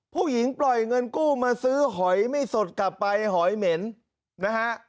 ปล่อยเงินกู้มาซื้อหอยไม่สดกลับไปหอยเหม็นนะฮะ